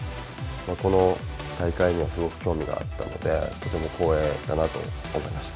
この大会にはすごく興味があったので、とても光栄だなと思いました。